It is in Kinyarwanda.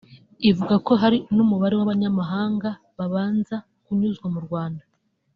Ivuga ko hari n’umubare w’abanyamahanga babanza kunyuzwa mu Rwanda